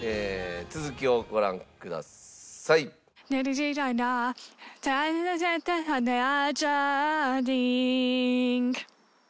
続きをご覧ください。さあ。